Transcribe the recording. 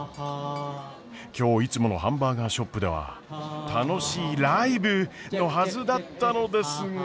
今日いつものハンバーガーショップでは楽しいライブのはずだったのですが。